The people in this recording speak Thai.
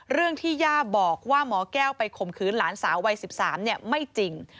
เรื่องที่ย่าบอกว่าหมอแก้วไปข่มขืนหลานสาววัย๑๓ไม่จริง